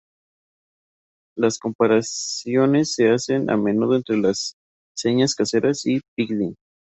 Las comparaciones se hacen a menudo entre las señas caseras y pidgin.